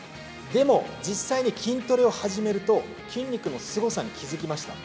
でも実際に筋トレを始めると、筋肉のすごさに気付きました。